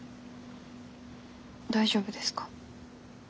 大丈夫ですか？